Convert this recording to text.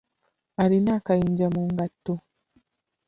Alina akayinja mu ngatto.